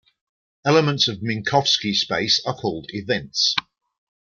Elements of Minkowski space are called events.